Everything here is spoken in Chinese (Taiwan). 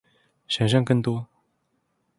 想像更多